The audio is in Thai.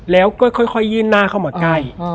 แล้วก็ค่อยยื่นหน้าเข้ามาใกล้